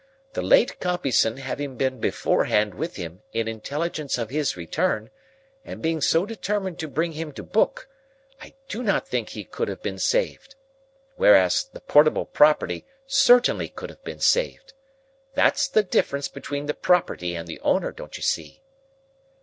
The late Compeyson having been beforehand with him in intelligence of his return, and being so determined to bring him to book, I do not think he could have been saved. Whereas, the portable property certainly could have been saved. That's the difference between the property and the owner, don't you see?"